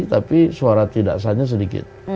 tapi suara tidak sahnya sedikit